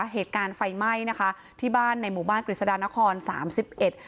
เหตุการณ์ไฟไหม้นะคะที่บ้านในหมู่บ้านกฤษฎานครสามสิบเอ็ด